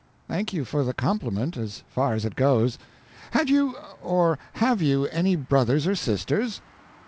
Thank you for the compliment, as far as it goes. Had you, or have you, any brothers or sisters? A.